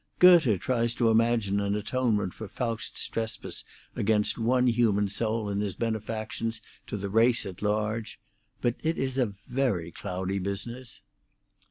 Goethe tries to imagine an atonement for Faust's trespass against one human soul in his benefactions to the race at large; but it is a very cloudy business."